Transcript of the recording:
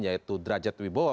yaitu drajat wibowo